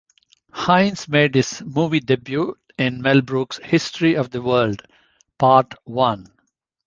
Hines made his movie debut in Mel Brooks's "History of the World, Part One".